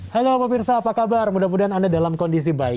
halo pemirsa apa kabar mudah mudahan anda dalam kondisi baik